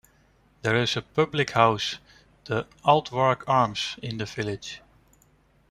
There is a public house, the "Aldwark Arms", in the village.